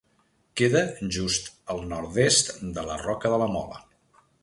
Queda just al nord-est de la Roca de la Mola.